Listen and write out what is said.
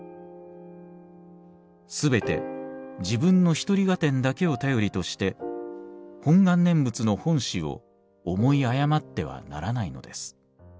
すべて自分の一人合点だけを頼りとして本願念仏の本旨を思い誤ってはならないのです。